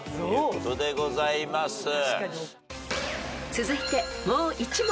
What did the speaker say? ［続いてもう１問］